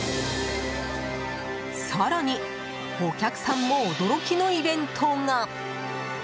更に、お客さんも驚きのイベントが。